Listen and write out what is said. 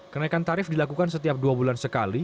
kenaikan tarif dilakukan setiap dua bulan sekali